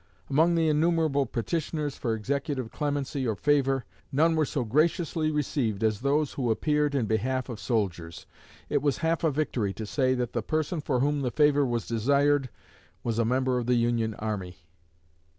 Among the innumerable petitioners for executive clemency or favor, none were so graciously received as those who appeared in behalf of soldiers. It was half a victory to say that the person for whom the favor was desired was a member of the Union army.